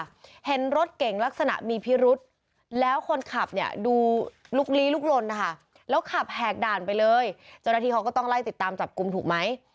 เจ้าหน้าทีเขาก็ต้องไล่ติดตามจับกุมถูกไหม